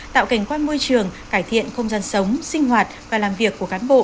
tạo cảnh quan môi trường cải thiện không gian sống sinh hoạt và làm việc của cán bộ